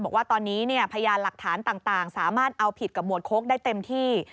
บอกว่าตอนนี้พยานหลักฐานต่างสามารถเอาผิดกับหมวดโค้กได้เต็มที่